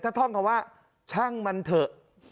ถ้าท่องคำว่าช่างมันเถอะ